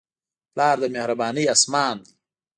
پلار د مهربانۍ اسمان دی.